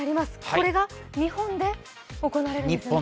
これが日本で行われるんですね。